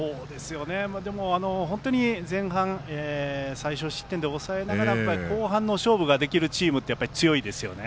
でも、本当に前半最少失点で抑えながら後半の勝負ができるチームって強いですよね。